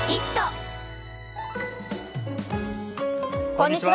こんにちは。